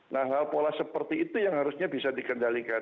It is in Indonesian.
nah hal pola seperti itu yang harusnya bisa dikendalikan